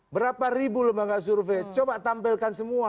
berapa ribu lembaga survei coba tampilkan semua